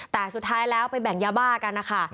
แต่สุดท้ายแล้วไปแบ่งยาบ้ากันนะคะ